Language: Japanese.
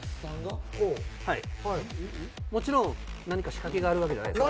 もちろん何か仕掛けがあるわけじゃないです。